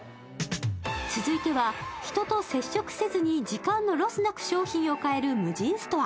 続いては人と接触せずに時間のロスなく商品を買える無人ストア。